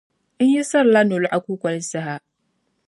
N yiɣisirila nolɔɣu kukoli saha.